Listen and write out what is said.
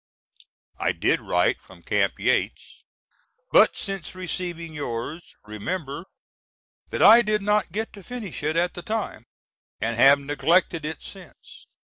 I did write from Camp Yates, but since receiving yours remember that I did not get to finish it at the time, and have neglected it since.